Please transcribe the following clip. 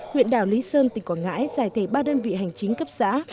huyện đảo lý sơn tỉnh quảng ngãi giải thể ba đơn vị hành chính cấp xã